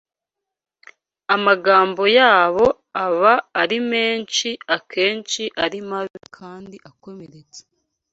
Amagambo yabo aba ari menshi, akenshi ari mabi kandi akomeretsa